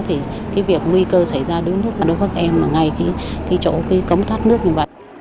thì cái việc nguy cơ xảy ra đối với các em là ngay cái chỗ cống thoát nước như vậy